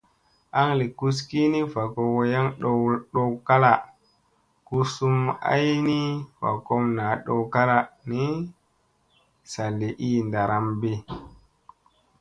Aŋ li gus kini va ko wayaŋ ɗow lala, guzum ay ni va kom naa ɗow kala ni, sa li ii ndaramɗi.